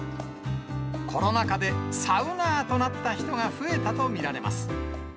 コロナ禍でサウナーとなった人が増えたと見られます。